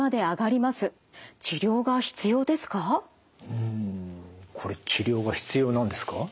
うんこれ治療が必要なんですか？